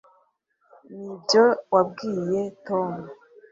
nibyo wabwiye tom